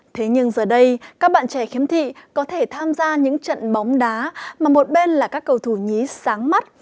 thế nhưng giờ đây các bạn trẻ khiếm thị có thể tham gia những trận bóng đá mà một bên là các cầu thủ nhí sáng mắt